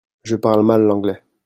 Je parle mal l'anglais.